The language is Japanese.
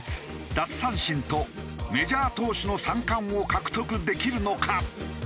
奪三振とメジャー投手の三冠を獲得できるのか？